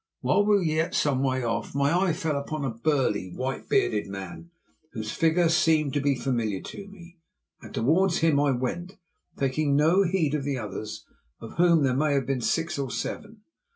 While we were yet some way off my eye fell upon a burly, white bearded man whose figure seemed to be familiar to me, and towards him I went, taking no heed of the others, of whom there may have been six or seven.